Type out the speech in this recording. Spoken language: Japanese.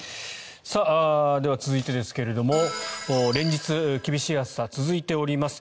では続いてですが、連日厳しい暑さが続いております。